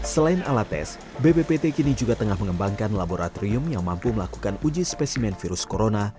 selain alat tes bppt kini juga tengah mengembangkan laboratorium yang mampu melakukan uji spesimen virus corona